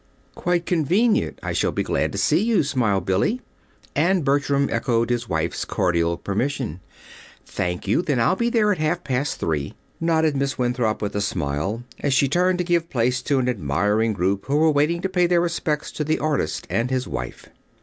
"Quite convenient. I shall be glad to see you," smiled Billy. And Bertram echoed his wife's cordial permission. "Thank you. Then I'll be there at half past three," nodded Miss Winthrop, with a smile, as she turned to give place to an admiring group, who were waiting to pay their respects to the artist and his wife.